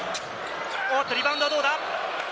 リバウンドはどうだ？